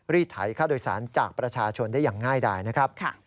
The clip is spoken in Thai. ไถค่าโดยสารจากประชาชนได้อย่างง่ายดายนะครับ